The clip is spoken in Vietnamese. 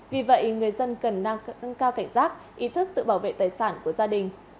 vì vậy người dân cần năng cao cảnh giác ý thức tự bảo vệ tài sản của gia đình